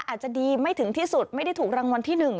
อาจจะดีไม่ถึงที่สุดไม่ได้ถูกรางวัลที่๑